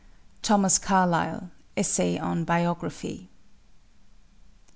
THOMAS CARLYLE, Essay on Biography.